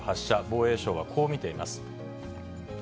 防衛省はこう見ています。